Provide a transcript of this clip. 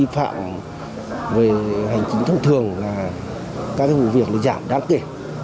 đi phạm về hành chính thông thường là các cái vụ việc nó giảm đáng kể